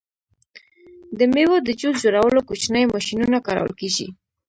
د میوو د جوس جوړولو کوچنۍ ماشینونه کارول کیږي.